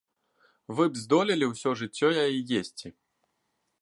Вы б здолелі ўсё жыццё яе есці?